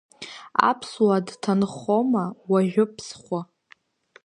Аԥсуа дҭанхома уажәы Ԥсҳәы?